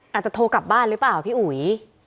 อาจจะโทรกลับบ้านหรือเปล่าพี่อุ๋ย